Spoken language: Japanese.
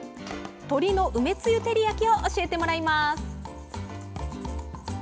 「鶏の梅つゆ照り焼き」を教えてもらいます。